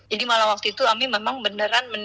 jadi malah waktu itu ami memang beneran